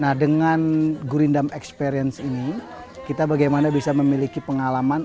nah dengan gurindam experience ini kita bagaimana bisa memiliki pengalaman